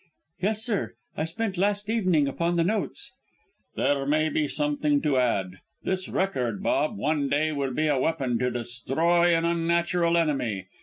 "Yes, sir, I spent last evening upon the notes." "There may be something to add. This record, Rob, one day will be a weapon to destroy an unnatural enemy.